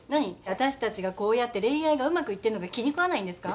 私たちがこうやって恋愛がうまくいってんのが気に食わないんですか？